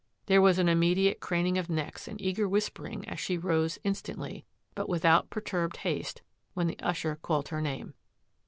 There was an immediate craning of necks and eager whispering as she rose instantly, but without per turbed haste, when the usher called her name.